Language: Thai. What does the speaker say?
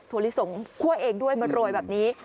ลิสงคั่วเองด้วยมาโรยแบบนี้